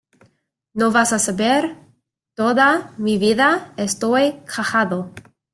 no vas a saber toda mi vida. estoy cagado